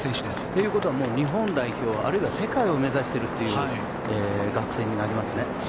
ということは日本代表あるいは世界を目指しているという学生になりますね。